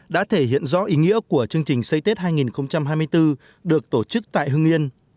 đã thể hiện rõ ý nghĩa của chương trình xây tết hai nghìn hai mươi bốn được tổ chức tại hưng yên